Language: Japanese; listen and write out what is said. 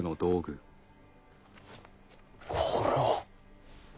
これは。